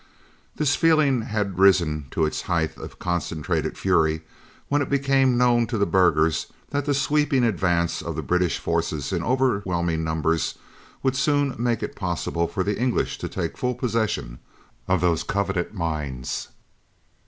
This feeling had risen to its height of concentrated fury when it became known to the burghers that the sweeping advance of the British forces in overwhelming numbers would soon make it possible for the English to take full possession of those coveted mines.